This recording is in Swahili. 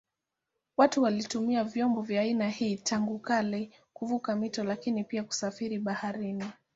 Watu walitumia vyombo vya aina hii tangu kale kuvuka mito lakini pia kusafiri baharini.